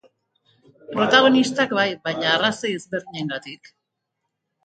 Protagonistak bai, baina arrazoi ezberdinengatik.